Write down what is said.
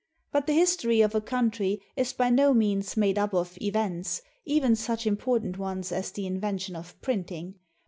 But the history of a country is by no means made up of "events," even such important ones as the invention of printing.